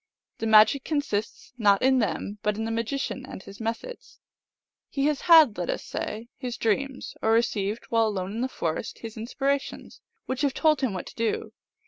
The magic consists not in them, but in the magician and his methods. He has had, let us say, his dreams, or received, while alone in the forest, his inspirations, which have told him what to do.